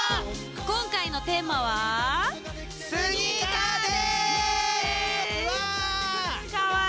今回のテーマはわあ！